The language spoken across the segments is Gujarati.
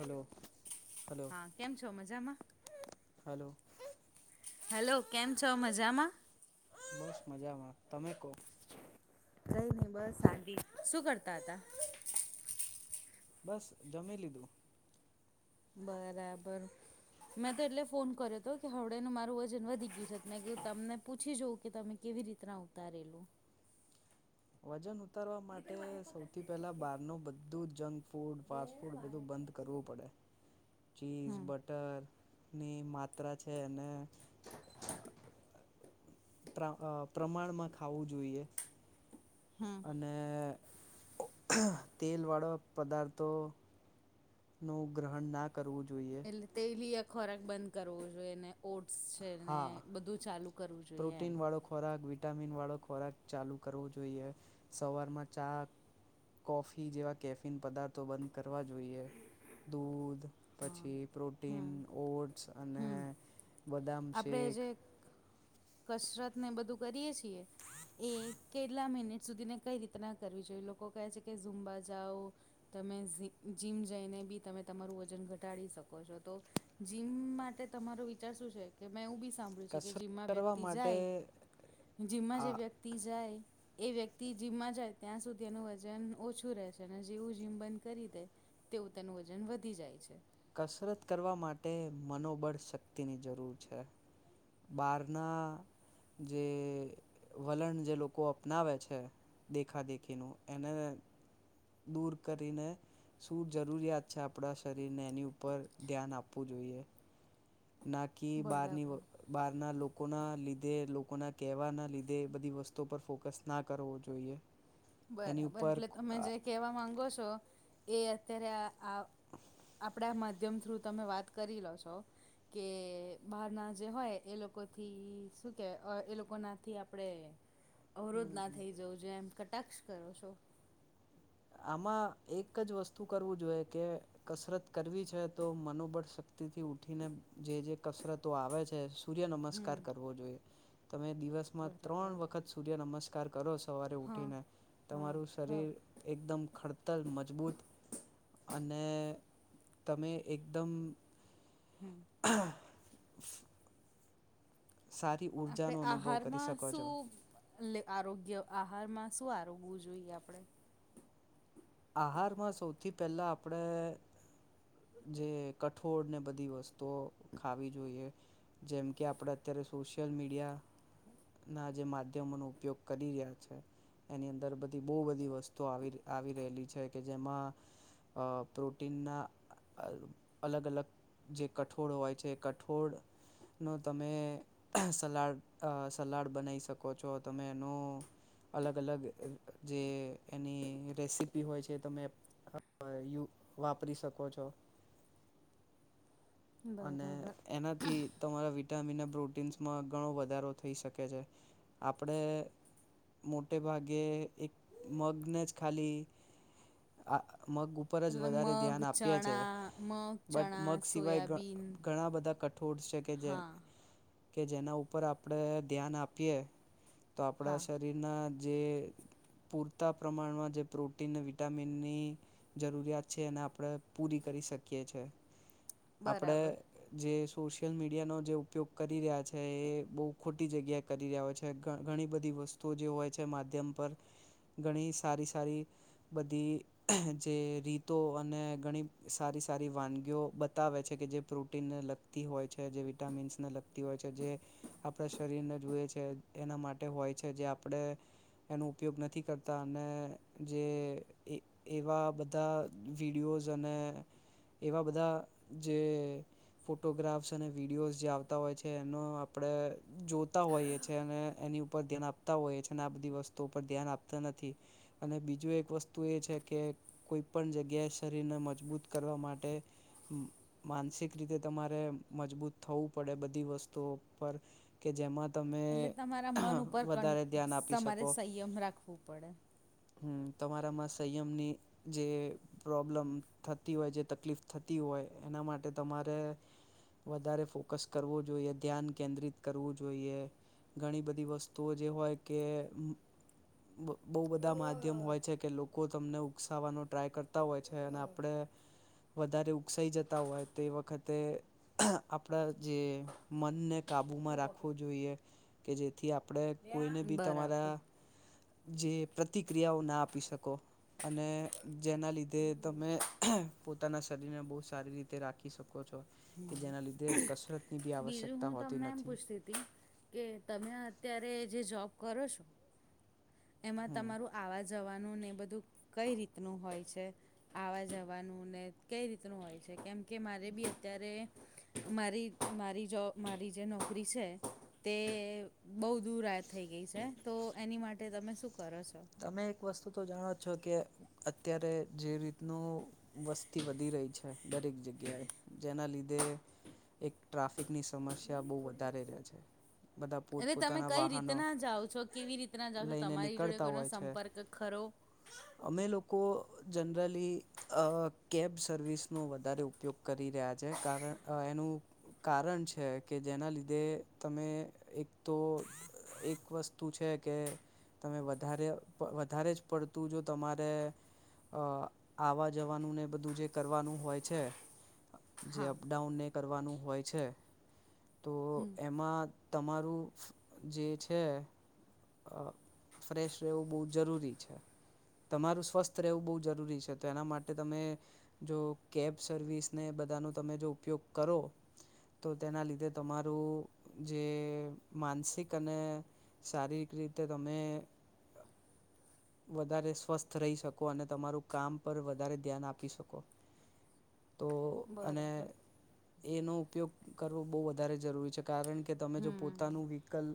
હલો હલો હા કેમ છો મજામાં? હલો હેલો કેમ છો મજામાં? બસ મજામાં તમે કો? કઈ નહી બસ શાંતિ શું કરતા હતા? [inaudible] બસ જમી લીધું બરાબર. મેં તો એટલે ફોન કર્યો હતો કે હવડેનું મારું વજન વધી ગયું છે મે કે તમને પૂછી જઉું કે તમે કેવી રીતના ઉતારેલું. વજન ઉતારવા માટે સૌથી પેલા બારનુ બધું જંક ફૂડ ફાસ્ટ ફૂડ બધું બંધ કરવું પડે ચીઝ હમ બટર ટર ની માત્રા છે અને પ્રમાણમાં ખાવું જોઈએ. હા. અને તેલવાળા પદાર્થો નું ગ્રહણ ના કરવું જોઈએ. તેલી આ ખોરાક બંધ કરવો જોઈએ ને ઓટ્સ છેને હા બધું ચાલુ કરવું જોઈએ એમ. પ્રોટીનવાળો ખોરાક વિટામિન વાળો ખોરાક ચાલુ કરવો જોઈએ સવારમાં ચા કોફી જેવા કેફિન પદાર્થો બંધ કરવા જોઈએ. દૂધ પછી પ્રોટીન હમ ઓટ્સ અને બદામ આપડણે શેક જે કસરત ને બધું કરીએ છીએ. એ કેટલા મિનિટ સુધી ને કઈ રીતના કરવી જોઈએ? લોકો કહે છે કે ઝુંમબા જાઓ. તમે જીમ જઈને બી તમે તમારું વજન ઘટાડી શકો છો. તો જીમમાં માટે તમારો વિચાર શું છે? કે મેં એવ બી સાંભળ્યું છે કે કસરત જીમમાં કરવા વ્યક્તિ માટે જાય જીમમાં જે આ વ્યક્તિ જાય એ વ્યક્તિ જીમમાં જાય ત્યાં સુધી એનું વજન ઓછું રહે છે અને જેવું જીમ બંધ કરી દે તેવું તેનું વજન વધી જાય છે. કસરત કરવા માટે મનોબળ શક્તિની જરૂર છે. બારના જે વલણ જે લોકો અપનાવે છે. દેખા દેખીનું એને દૂર કરીને શું જરૂરિયાત છે આપણા શરીરને ઉપર ધ્યાન આપવું જોઈએ. નાકી બારની બરાબર બહાર ના લોકો ના લીધે લોકોના કહેવા ના લીધે બધી વસ્તુ પર ફોકસ ના કરવો જોઈએ. એની બરાબર ઉપર એટલે તમે જે કહેવા માંગો છો એ અત્યારે આપણા માધ્યમ થ્રુ તમે વાત કરી લો છો. કે બહારના જે હોય એ લોકોથી શું કહે એ લોકોનાથી આપણે અવરોધ ના થઈ જવું જોઈએ એમ કટાક્ષ કરો છો. આમાં એક જ વસ્તુ કરવું જોઈએ કે કસરત કરવી છે તો મનોબળ શક્તિ થી ઉઠીને જે જે કસરતો આવે છે. સૂર્ય હમ નમસ્કાર કરવો જોઈએ. તમે દિવસમાં બરાબર ત્રણ વખત સૂર્ય નમસ્કાર કાર કરો સવારે હા ઉઠીને હા તમારું હ શરીર એકદમ ખડતર મજબૂત અને તમે એકદમ હમ. સારી આપણે ઉર્જાનો અનુભવ કરી આહારમાં શકો છો શું એટલે આરોગ્ય આહારમાં શું આરોગવું જોઈએ આપણે? આહારમાં સૌથી પહેલાં આપણે જે કઠોળ ને બધી વસ્તુઓ ખાવી જોઈએ. જેમ કે આપડે અત્યારે સોશિયલ મીડિયા ના જે માધ્યમોનો ઉપયોગ કરી રહ્યા છે. એની અંદર બધી બહુ બધી વસ્તુઓ આવી આવી રહેલી છે. કે જેમાં અ પ્રોટીનના અલગ અલગ જે કઠોળ હોય છે. કઠોળ નો તમે સલાડ, સલાડ બનાવી શકો છો. તમે એનું અલગ અલગ જે એની રેસીિપી હોય છે. તમેય વાપરી શકો છો? અને બરાબર એનાથી તમારા વિટામિન અને પ્રોટીન્સમાં ઘણો વધારો થઈ શકે છે. આપણે મોટે ભાગે એક મગને જ ખાલી આ મગ ઉપર જ એટલે વધારે મગ ધ્યાન આપીએ છે. ચણા મગ બટ ચણા મગ સિવાય સોયાબીન ઘણા બધા કઠોળ છે. કે જે હા કે જેના ઉપર આપણેે ધ્યાન આપીએ તો હા આપણા શરીરના જે પૂરતા પ્રમાણમાં જે પ્રોટીન, વિટામિનની જરૂરિયાત છે એને આપણે પૂરી કરી શકીએ છે. આપણે બરાબર જે સોશિયલ મીડિયાનો જે ઉપયોગ કરી રહ્યા છે. એ બહુ ખોટી જગ્યા કરી રહ્યા હોય છે. ઘણી બધી વસ્તુ જે હોય છે માધ્યમ પર ઘણી સારી સારી બધી જે રીતો અને ઘણી સારી સારી વાનગીઓ બતાવે છે. કે જે પ્રોટીનને લગતી હોય છે. જે વિટામિન્સને લગતી હોય છે જે આપણા શરીરને જુએ છે. એના માટે હોય છે જે આપણે એનો ઉપયોગ નથી કરતા અને જે એવા બધા વિડીયોઝ અને એવા બધા જે ફોટોગ્રાફ્સ અને વિડીયોઝ જે આવતા હોય છે એનો આપણે જોતા હોઈએ છેએ અને એની પર ધ્યાન આપતા હોય છે અને આ બધી વસ્તુ પર ધ્યાન આપતા નથી. અને બીજું એક વસ્તુ એ છે કે કોઈ પણ જગ્યાએ શરીરને મજબૂત કરવા માટે માનસિક રીતે તમારે મજબૂત થવું પડે બધી વસ્તુઓ પર કે જેમાં તમે એટલે તમારા મન ઉપર કન વધારે ધ્યાન આપી તમારે શકો. સંયમ રાખવું પડે. હમ. તમારામાં સંયમની જે પ્રોબ્લમ થતી હોય જે તકલીફ થતી હોય એના માટે તમારે વધારે ફોકસ કરવો જોઈએ. ધ્યાન કેન્દ્રિત કરવું જોઈએ. ઘણી બધી વસ્તુઓ જે હોય કે બહુ બધા માધ્યમ હોય છે કે લોકો તમને ઉકસવાનો ટ્રાય કરતાં હોય છે અને આપણે વધારે- ઉકસાઈ જતા હોય તે વખતે આપણા જે મનને કાબુમાં રાખવો જોઈએ કે જેથી આપણે કોઈને બી બરાબર તમારા જે પ્રતિક્રિયાઓના આપી શકો અને જેના લીધે તમે પોતાના શરીરને બહુ સારી રીતે રાખી શકો છો. કે જેના લીધે કસરત ની બી આવશ્યકતા હોતી નથી. લે કેવુ તમે અત્યારે જે જોબ કરો છો. એમાં હમ તમારું આવા જવાનું ને એ બધું કઈ રીતનું હોય છે. આવા જવાનું ને કઈ રીતનું હોય છે. કેમ કે મારે બી અત્યારે મારી, મારી જો મારી જે નોકરી છે? તે બહુ દૂર રાત થઈ ગઈ છે તો એની માટે તમે શું કરો છો? તમે એક વસ્તુ તો જાણો છો કે અત્યારે જે રીતનું વસ્તી વધી રહી છે. દરેક જગ્યાએ જેના લીધે એક ટ્રાફિકની સમસ્યા બહુ વધારે રહે છે. બધા અરે તમે પોતપોતાના કઈ વાહનો રીતના જાઓ છો, કેવી રીતના જાઓ છો. લઈને તમારી જોડે નીકળતા કોઈનો હોય છે સંપર્ક કરો? અમે લોકો જનરલી અ કેબ સર્વિસનો વધારે ઉપયોગ કરી રહ્યા છે. કારણ એનું કારણ છે. કે જેના લીધે તમે એક તો એક વધારે, વધારે જ પડતું જો તમારે અ આવા જવાનું ને બધું જે કરવાનું હોય છે. જે હા અપડાઉન ને કરવાનું હોય છે. તો એમાં તમારું જે છે. અ ફ્રેશ રહેવું બહુ જરૂરી છે. તમારું સ્વસ્થ રહેવું બહુ જરૂરી છે તો એના માટે તમે જો કેબ સર્વિસ ને બધાનો તમે જો ઉપયોગ કરો. તો તેના લીધે તમારું જે માનસિક અને શારીક રીતે તમે. વધારે સ્વસ્થ રહી શકો અને તમારું કામ પર વધારે ધ્યાન આપી શકો. તો અને બરાબર એનો ઉપયોગ કરવો બહુ વધારે જરૂરી છે કારણ કે કે તમે જો હમ પોતાનું વ્હીકલ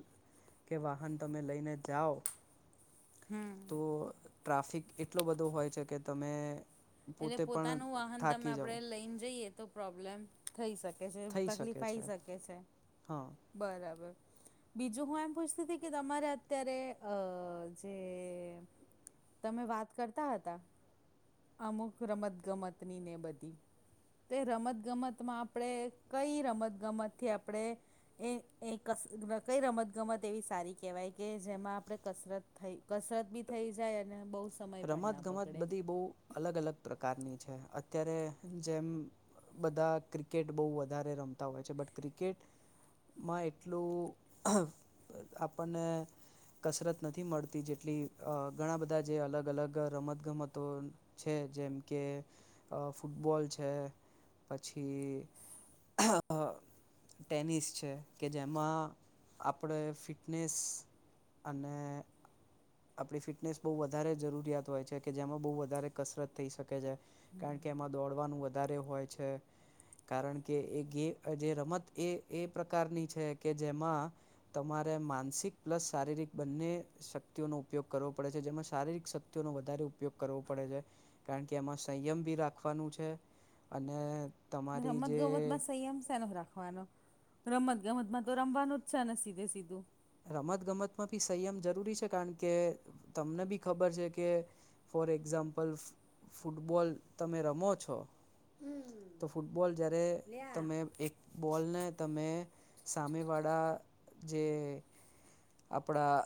કે વાહન તમે લઈને જાઓ હમ્મ. તો ટ્રાફિક એટલો બધો હોય છે કે તમે તો એટલે પોતાનું વાહન તમે આપણે લઈને જઈએ. તો પ્રોબ્લેમ થઈ શકે છે થઈ શકે તકલીફ આઈ શકે છે. હા. બરાબર બીજું હું એમ પૂછતી હતી કે તમારે અત્યારે અ જે તમે વાત કરતા હતા. અમુક રમતગમતની ને એ બધી તે રમતગમતમાં આપણે કઈ રમતગમતથી આપણે એ એ કસ કઈ રમતગમત એવી સારી કહેવાય કે જેમાં આપણે કસરત થઈ કસરત બી થઈ જાય અને બહુ સમય પણ રમત ના ગમત બગડે બધી બહુ અલગ અલગ પ્રકારની છે અત્યારે જેમ બધા ક્રિકેટ બહુ વધારે રમતા હોય છે બટ ક્રિકેટ માં એટલું [inaudible] આપણને કસરત નથી મળતી જેટલી ઘણા બધા જે અલગ અલગ અલગ રમતગમતો છે જેમ કે ફૂટબોલ છે પછી ટેનિસ છે કે જેમાં આપણે ફિટનેસ અને આપણી ફિટનેસ બહુ વધારે જરૂરિયાત હોય છે કે જેમાં બહુ વધારે કસરત થઈ શકે છે કારણ કે એમાં દોડવાનું વધારે હોય છે. કારણ કે એ ગે જે રમત એ એ પ્રકારની છે કે જેમાં તમારે માનસિક પ્લસ શારીરિક બંને શ શક્તિ નો ઉપયોગ કરવો પડે છે જેમાં શારીરિક શક્તિઓનો વધારે ઉપયોગ કરવો પડે છે. કારણ કે એમાં સંયમ ભી રાખવાનું છે અને તમારી રમત જે ગમત માં સંયમ સેનો રાખવાનો રમત ગમતમાં તો રમવાનું જ છે ને સીધે સીધું રમત ગમતમાં બી સંયમ જરૂરી છે કારણ કે તમને બી ખબર છે કે ફોર એક્ઝામ્પલ ફૂ ફૂટબોલ તમે રમો છો. તો ફૂટબોલ જ્યારે તમે એક બોલને તમે સામે વાળા જે આપણા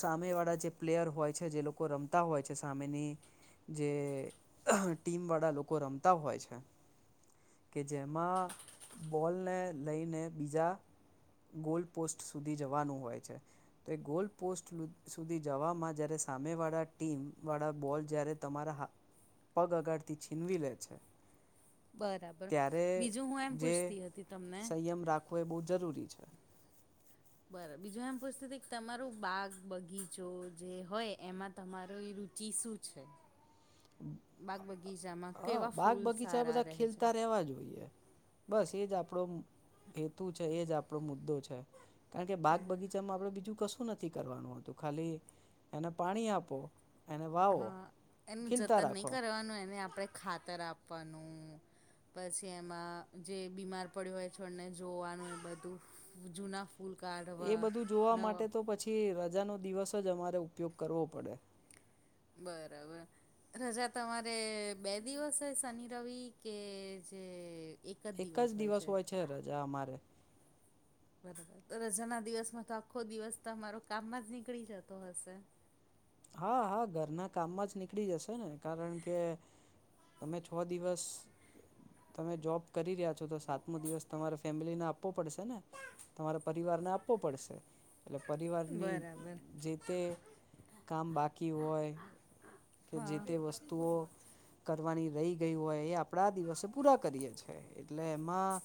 સામે વાળા જે પ્લેયર હોય છે જે લોકો રમતા હોય છે સામેની જે ટીમ વાળા લોકો રમતા હોય છે. કે જેમાં બોલને લઈને બીજા ગોલ પોસ્ટ સુધી જવાનું હોય છે. તો ગોલ પોસ્ટ સુધી જવામાં જયારે સામે વાળા ટીમ વાળા બોલ જ્યારે તમારા હાથ પગ આગળથી છીનવી લે છે. બરાબર ત્યારે બીજું હું એમ પૂછતી હતી તમને તો એ બહુ જરૂરી છે. બરાબર બીજું એમ પૂછતું તમારું બાગ બગીચો જે હોય એમાં તમારો એ રુચિ શું છે? બાગ બગીચામાં હા કેવા બાગ ફૂલ બગીચા સારા બધા રહે છે ખેલતા રેવા જોઈએ. બસ એજ આપણો હેતુ છે એજ આપણો મુદ્દો છે. કારણ કે બાગ બગીચામાં આપડે બીજું કશું નથી કરવાનું હતું ખાલી એને પાણી આપો એને વાવો હા એનું ખીલતા જતન નહીં રાખો કરવાનું એને આપણે ખાતર આપવાનું. પસી એમાં જે બીમાર પડ્યું હોય છોડને જોવાનું એ બધું જૂના ફૂ ફૂલ કાઢ એ બધું જોવા માટે તો પછી રજાનો દિવસ જ અમારે ઉપયોગ કરવો પડે. બરાબર. રજા તમારે બે દિવસ હોય શનિ રવિ કે જે એક જ દિવસ હોય છે રજા અમારે. બરાબર. તો રજાના દિવસમાં તો આખો દિવસ તમારો કામમાં જ નીકળી જતો હશે? હા હા ઘરના કામમાં જ નીકળી જશે ને કારણ કે તમે છ દિવસ તમે જોબ કરી રહ્યા છો. તો તો સાતમો દિવસ તમારે ફેમિલીને આપવો પડશે ને? તમારે પરિવારને આપવો પડશે. એટલે પરિવારની બરાબર જે તે કામ બાકી હોય કે જે તે વસ્તુઓ કરવાની રહી ગઈ હોય એ આપણા દિવસે પૂરા કરીએ છીએ. એટલે એમાં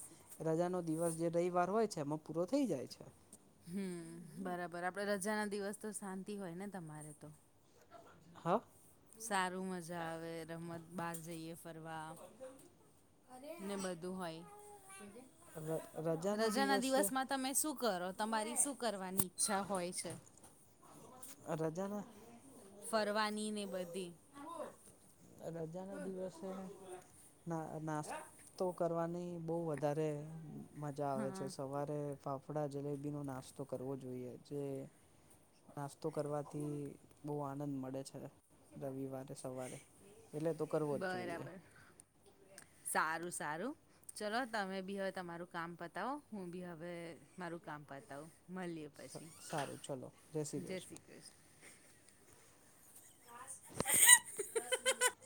રજાનો દિવસ જે રવિવાર હોય છે એમાં પૂરો થઇ જાય છે. હમ બરાબર. આપડે રજાના દિવસ તો શાંતિ હોય ને તમારે તો? હહ? સારું મજા આવે રમત બાર જઈએ ફરવા. ને બધું હોય ર [inaudible] રજાના દિવસે દિવસમાં તમે શું કરો? તમારી શું કરવાની ઈચ્છા હોય છે? અ રજાના ફરવાનીને એ બધી રજાના દિવસે ના નાસ્તો કરવાની. બહુ વધારે મજા આવે છે. હા સવારે ફાફ ફાફડા જલેબીનો નાસ્તો કરવો જોઈએ. જે નાસ્તો કરવાથી બહુ આનંદ મળે છે રવિવારે. સવારે એટલે તો કરવો જ જોઈએ બરાબર. સારું સારું. ચલો તમે બી હવે તમારું કામ પતાવો. હું બી હવે મારું કામ પતાવું. મલીએ. પછી જય શ્રી કૃષ્ણ.